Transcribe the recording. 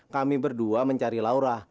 kami berdua mencari laura